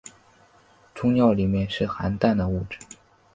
终尿里面是含氮的物质。